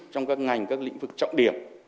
trong các ngành các lĩnh vực trọng điểm